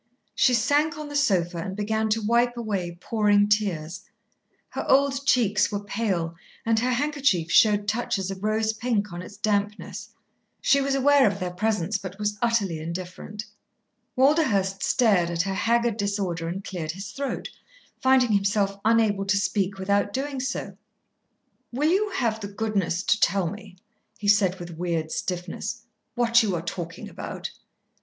She sank on the sofa and began to wipe away pouring tears. Her old cheeks were pale and her handkerchief showed touches of rose pink on its dampness. She was aware of their presence, but was utterly indifferent. Walderhurst stared at her haggard disorder and cleared his throat, finding himself unable to speak without doing so. "Will you have the goodness to tell me," he said with weird stiffness, "what you are talking about?"